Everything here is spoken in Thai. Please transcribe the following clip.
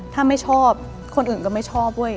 ถ้าไม่ชอบคนอื่นก็ไม่ชอบเว้ย